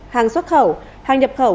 hàng xuất khẩu hàng nhập khẩu